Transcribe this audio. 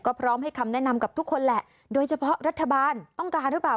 ก็พร้อมให้คำแนะนำกับทุกคนแหละโดยเฉพาะรัฐบาลต้องการหรือเปล่า